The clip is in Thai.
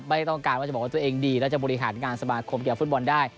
ไม่ต้องการว่าจะบอกว่าตัวเองดีแล้วจะบริหารงานสมาคมกีฬาฟุตบอลได้